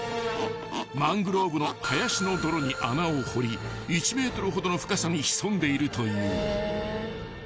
［マングローブ林の泥に穴を掘り１ｍほどの深さに潜んでいるという］